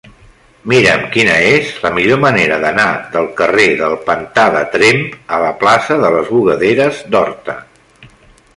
Mira'm quina és la millor manera d'anar del carrer del Pantà de Tremp a la plaça de les Bugaderes d'Horta.